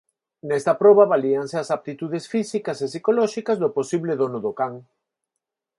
Nesta proba avalíanse as aptitudes físicas e psicolóxicas do posible dono do can.